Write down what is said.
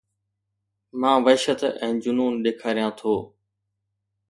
مان وحشت ۽ جنون ڏيکاريان ٿو